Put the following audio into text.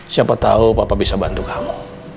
siapa tahu papa bisa bantu kamu